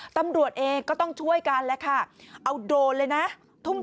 ตำรวจเองก็ต้องช่วยกันนะค้าเอาโดรนเลยนะทุ่มทุนมาก